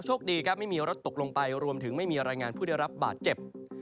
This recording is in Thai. โชคดีครับไม่มีรถตกลงไปรวมถึงไม่มีรายงานผู้ได้รับบาดเจ็บ